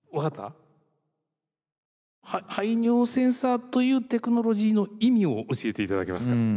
排尿センサーというテクノロジーの意味を教えていただけますか？